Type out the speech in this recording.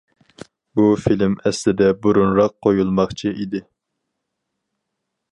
بۇ فىلىم ئەسلىدە بۇرۇنراق قۇيۇلماقچى ئىدى.